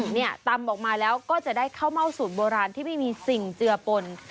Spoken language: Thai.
เนี่ยตำออกมาแล้วก็จะได้ข้าวเม่าสูตรโบราณที่ไม่มีสิ่งเจือปน